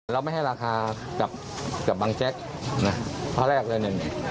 เราไม่ให้ราคากับบังแจ๊กนะข้อแรกเลยเนี่ย